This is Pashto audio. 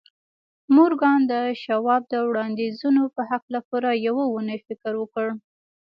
مورګان د شواب د وړانديزونو په هکله پوره يوه اونۍ فکر وکړ.